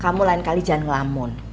kamu lain kali jangan ngelamun